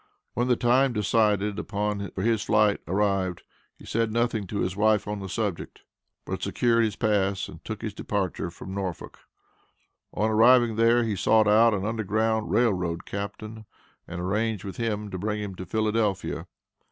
When the time decided upon for his flight arrived, he said nothing to his wife on the subject, but secured his pass and took his departure for Norfolk. On arriving there, he sought out an Underground Rail Road captain, and arranged with him to bring him to Philadelphia.